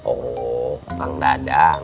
oh pang dadang